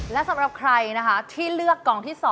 และสำหรับใครนะคะที่เลือกกล่องที่๒